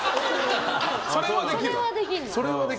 それはできんの。